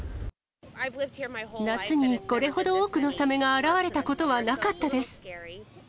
夏にこれほど多くのサメが現れたことはなかったです。